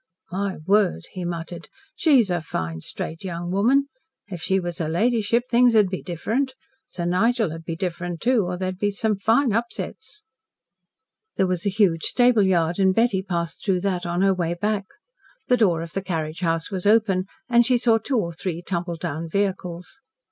"My word," he muttered. "She's a fine, straight young woman. If she was her ladyship things 'ud be different. Sir Nigel 'ud be different, too or there'd be some fine upsets." There was a huge stable yard, and Betty passed through that on her way back. The door of the carriage house was open and she saw two or three tumbled down vehicles.